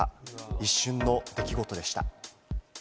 一瞬の出来事でした。